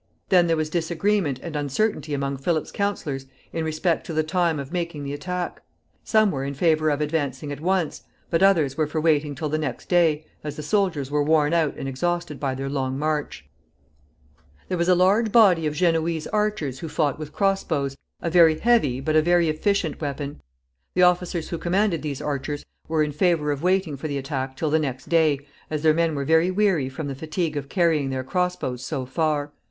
Then there was disagreement and uncertainty among Philip's counselors in respect to the time of making the attack. Some were in favor of advancing at once, but others were for waiting till the next day, as the soldiers were worn out and exhausted by their long march. [Illustration: GENOESE ARCHER.] There was a large body of Genoese archers who fought with cross bows, a very heavy but a very efficient weapon. The officers who commanded these archers were in favor of waiting for the attack till the next day, as their men were very weary from the fatigue of carrying their cross bows so far.